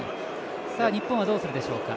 日本はどうするでしょうか。